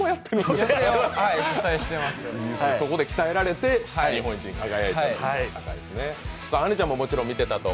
そこで鍛えられて日本一になったという。